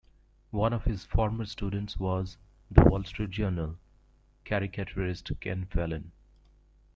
One of his former students was "The Wall Street Journal" caricaturist Ken Fallin.